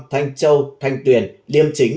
thanh châu thanh tuyển liêm chính